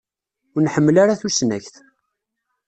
Ur nḥemmel ara tusnakt.